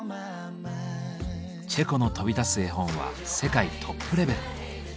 チェコの飛び出す絵本は世界トップレベル。